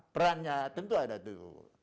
perannya tentu ada tuh